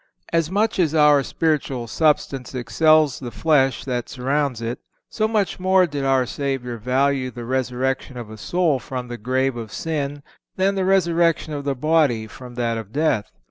(437) As much as our spiritual substance excels the flesh that surrounds it, so much more did our Savior value the resurrection of a soul from the grave of sin than the resurrection of the body from that of death.